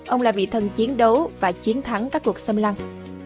ông là vị thần chiến đấu và chiến thắng các cuộc xâm lăng